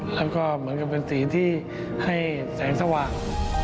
แล้วก็เหมือนกับเป็นสีที่ให้แสงสว่าง